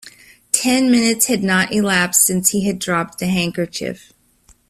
Ten minutes had not elapsed since he had dropped the handkerchief.